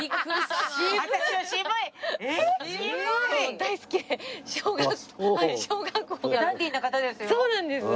ダンディーな方ですよ？